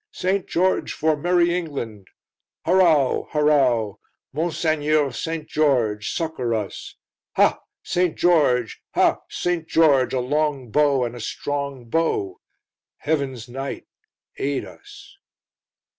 "St. George for merry England!" "Harow! Harow! Monseigneur St. George, succour us." "Ha! St. George! Ha! St. George! a long bow and a strong bow." "Heaven's Knight, aid us!"